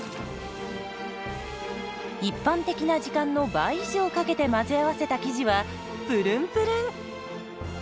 一般的な時間の倍以上かけて混ぜ合わせた生地はプルンプルン。